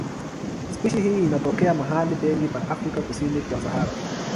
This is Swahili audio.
Spishi hii inatokea mahali pengi pa Afrika kusini kwa Sahara.